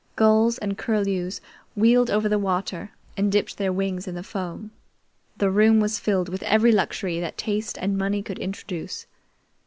Gulls and curlews wheeled over the water and dipped their wings in the foam. The room was filled with every luxury that taste and money could introduce.